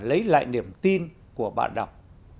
lấy lại niềm tin của bà đọc